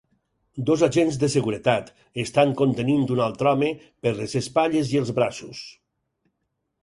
Dos agents de seguretat estan contenint un altre home per les espatlles i els braços.